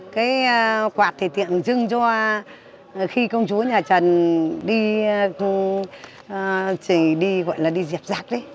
cái quạt thì tượng trưng cho khi công chúa nhà trần đi đi gọi là đi dẹp giác đấy